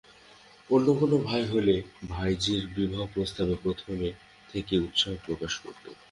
অন্য কোনো ভাই হলে ভাইঝির বিবাহপ্রস্তাবে প্রথম থেকেই উৎসাহ প্রকাশ করত।